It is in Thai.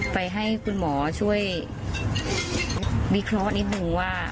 ไปให้คุณหมอช่วยวิเคราะห์นิดนึงว่า